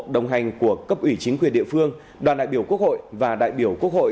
đồng hành của cấp ủy chính quyền địa phương đoàn đại biểu quốc hội